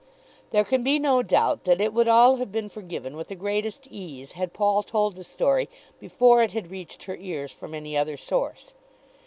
There can be no doubt that it would all have been forgiven with the greatest ease had Paul told the story before it had reached her ears from any other source.